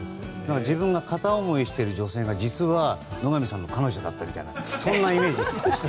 自分が片思いしている女性が野上さんの彼女だったみたいなそんなイメージ。